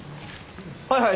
はいはい？